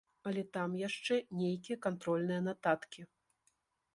Але там яшчэ нейкія кантрольныя нататкі.